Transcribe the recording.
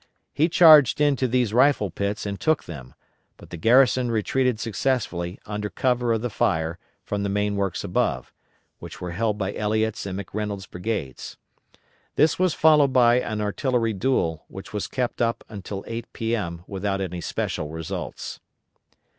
He charged into these rifle pits and took them, but the garrison retreated successfully, under cover of the fire, from the main works above, which were held by Elliot's and McReynolds' brigades. This was followed by an artillery duel, which was kept up until 8 P.M. without any special results.